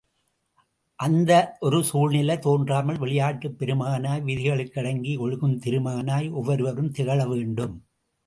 அந்த ஒரு சூழ்நிலை தோன்றாமல், விளையாட்டுப் பெருமகனாய் விதிகளுக்கடங்கி ஒழுகும் திருமகனாய் ஒவ்வொருவரும் திகழ வேண்டும்.